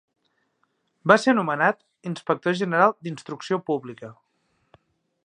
Va ser nomenat Inspector General d'Instrucció Pública.